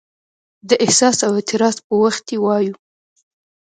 د احساس او اعتراض په وخت یې وایو.